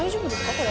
これ。